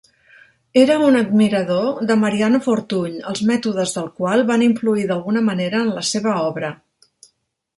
Era un admirador de Mariano Fortuny, els mètodes del qual van influir d'alguna manera en la seva obra.